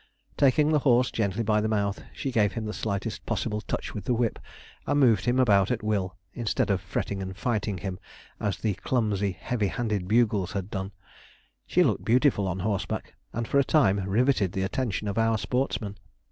Taking the horse gently by the mouth, she gave him the slightest possible touch with the whip, and moved him about at will, instead of fretting and fighting him as the clumsy, heavy handed Bugles had done. She looked beautiful on horseback, and for a time riveted the attention of our sportsmen.